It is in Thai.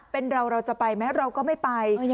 เป็นเราเราจะไปไหมเราก็ไม่ไป